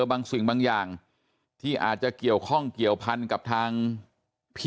บางสิ่งบางอย่างที่อาจจะเกี่ยวข้องเกี่ยวพันกับทางพี่